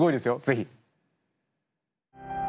ぜひ。